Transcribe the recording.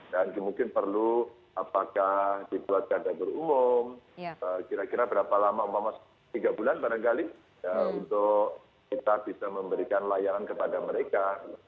dan mungkin perlu apakah dibuat kata berumum kira kira berapa lama umpama tiga bulan barangkali untuk kita bisa memberikan layanan kepada mereka